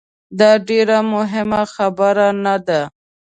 داډیره مهمه خبره نه ده